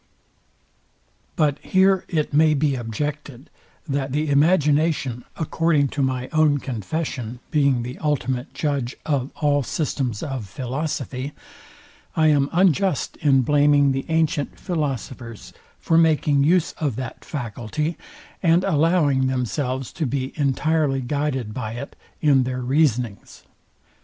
But here it may be objected, that the imagination, according to my own confession, being the ultimate judge of all systems of philosophy, I am unjust in blaming the antient philosophers for making use of that faculty, and allowing themselves to be entirely guided by it in their reasonings.